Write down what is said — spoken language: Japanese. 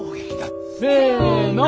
せの！